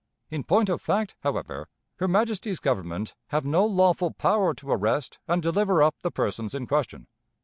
In point of fact, however, her Majesty's Government have no lawful power to arrest and deliver up the persons in question.